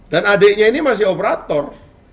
dan adiknya ini masih operator